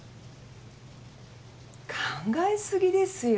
考え過ぎですよ。